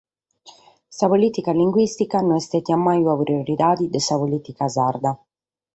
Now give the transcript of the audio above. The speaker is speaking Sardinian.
Sa polìtica linguìstica no est istada mai una prioridade de sa polìtica sarda.